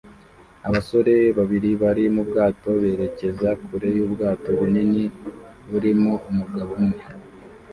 Abasore babiri bari mu bwato berekeza kure yubwato bunini burimo umugabo umwe